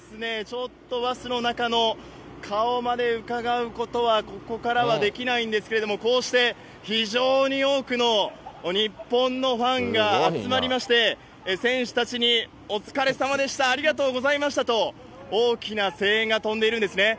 ちょっとバスの中の顔までうかがうことはここからはできないんですけれども、こうして非常に多くの日本のファンが集まりまして、選手たちにおつかれさまでした、ありがとうございましたと、大きな声援が飛んでいるんですね。